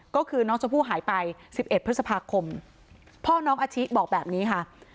ก็คือน้องชมพู่หายไป๑๑พฤษภาคมพ่อน้องอาชิบอกแบบนี้ค่ะ